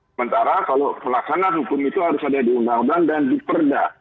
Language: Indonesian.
sementara kalau pelaksanaan hukum itu harus ada di undang undang dan di perda